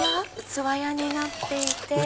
器屋になっていて。